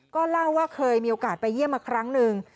ก็เล่าว่าเคยมีโอกาสไปเยี่ยมมาครั้งหนึ่ง